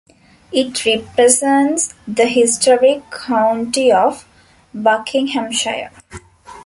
It represents the historic county of Buckinghamshire.